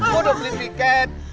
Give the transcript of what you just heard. gue udah beli tiket